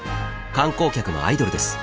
観光客のアイドルです。